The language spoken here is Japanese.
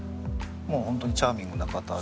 もう本当にチャーミングな方で。